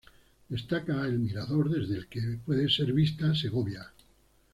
Destaca el mirador desde el que puede ser vista Segovia.